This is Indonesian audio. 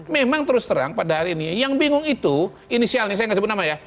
memang terus terang pada hari ini yang bingung itu inisialnya saya nggak sebut nama ya